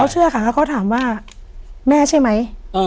เชื่อค่ะเขาถามว่าแม่ใช่ไหม